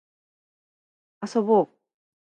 遊ぼう